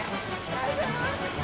大丈夫？